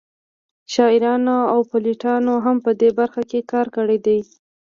شاعرانو او پیلوټانو هم په دې برخه کې کار کړی دی